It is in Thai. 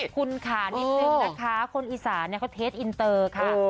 คุณค่ะนิดนึงนะคะคนอีสานเขาเทสอินเตอร์ค่ะ